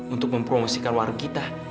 untuk mempromosikan warung kita